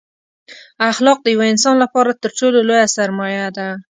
اخلاق دیوه انسان لپاره تر ټولو لویه سرمایه ده